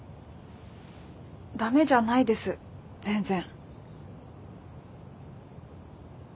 ダメじゃないです全然。